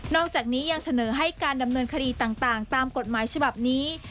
อกจากนี้ยังเสนอให้การดำเนินคดีต่างตามกฎหมายฉบับนี้